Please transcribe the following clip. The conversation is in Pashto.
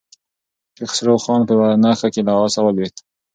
کیخسرو خان په یوه نښته کې له آسه ولوېد.